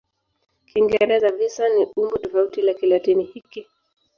Kiingereza "visa" ni umbo tofauti la Kilatini hiki.